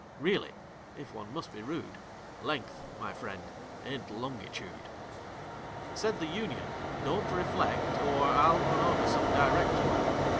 Really,—if one must be rude,— Length, my friend, ain't longitude." Said the Union: "Don't reflect, or I'll run over some Director."